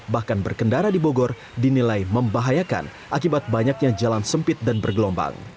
bahkan berkendara di bogor dinilai membahayakan akibat banyaknya jalan sempit dan bergelombang